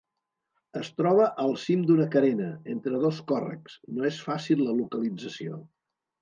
Es troba al cim d'una carena, entre dos còrrecs; no és fàcil la localització.